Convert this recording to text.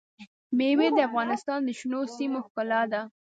مېوې د افغانستان د شنو سیمو ښکلا ده.